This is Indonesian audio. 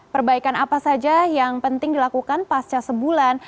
perbaikan apa saja yang penting dilakukan pasca sebulan